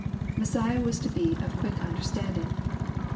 Messiah was to be " of quick understanding."